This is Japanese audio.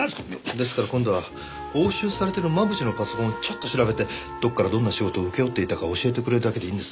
ですから今度は押収されてる真渕のパソコンをちょっと調べてどこからどんな仕事を請け負っていたか教えてくれるだけでいいんです。